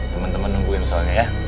temen temen nungguin soalnya ya